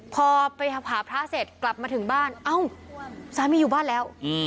พอไปหาพระเสร็จกลับมาถึงบ้านเอ้าสามีอยู่บ้านแล้ว